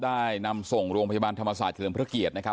ได้นำส่งโรงพยาบาลธรรมศาสตร์เฉลิมพระเกียรตินะครับ